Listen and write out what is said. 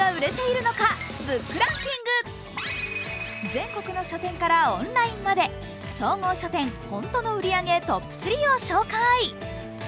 全国の書店からオンラインまで総合書店ｈｏｎｔｏの売り上げトップ３を紹介。